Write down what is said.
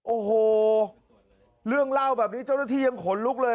โอ้โหเรื่องเล่าแบบนี้เจ้าหน้าที่ยังขนลุกเลย